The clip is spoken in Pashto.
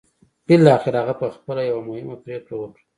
بالاخره هغه پخپله یوه مهمه پرېکړه وکړه